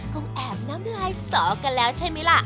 คงแอบน้ำลายสอกันแล้วใช่ไหมล่ะ